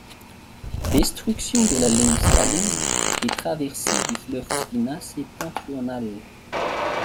Destruction de la Ligne Staline et traversée du fleuve Dvina septentrionale.